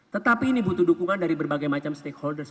tetapi ini butuh dukungan dari berbagai macam stakeholders